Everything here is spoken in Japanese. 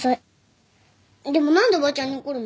でも何でおばちゃんに怒るの？